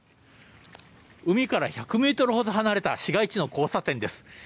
海から１００メートルほど離れた市街地の交差点です。